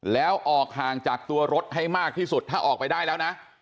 แล้วออกห่างจากตัวรถให้มากที่สุดถ้าออกไปได้แล้วนะ